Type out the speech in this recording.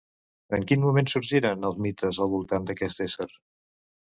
En quin moment sorgiren els mites al voltant d'aquest ésser?